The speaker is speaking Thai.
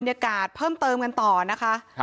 บริเวณดังกล่าวก็ได้มีการประกาศยุติกันไปแล้วเหมือนกัน